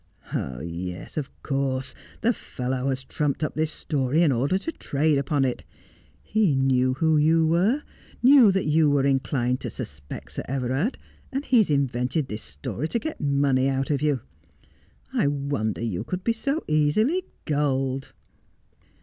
' Yes, of course, the fellow has trumped up this story in order to trade upon it. He knew who you were — knew that you were inclined to suspect Sir Everard, aud he has invented this story to get money out of you. I wonder you could be so easily gulled.'